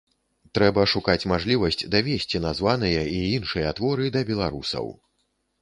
Трэба шукаць мажлівасць давесці названыя і іншыя творы да беларусаў.